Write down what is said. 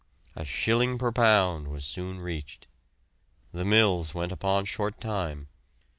A shilling per lb. was soon reached. The mills went upon short time.